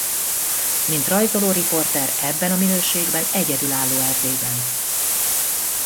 Mint rajzoló riporter ebben a minőségben egyedülálló Erdélyben.